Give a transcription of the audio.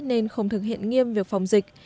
nên không thực hiện nghiêm việc phòng dịch